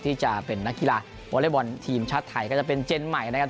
ที่จะเป็นนักกีฬาวอเล็กบอลทีมชาติไทยก็จะเป็นเจนใหม่นะครับ